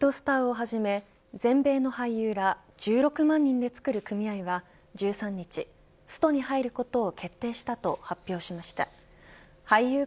ハリウッドスターをはじめ全米の俳優ら１６万人で作る組合は１３日、ストに入ることを決定したと発表しました。